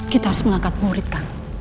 kita harus mengangkat murid kang